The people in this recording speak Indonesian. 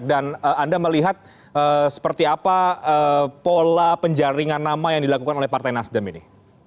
dan anda melihat seperti apa pola penjaringan nama yang dilakukan oleh partai nasdem ini